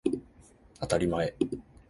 あたりまえ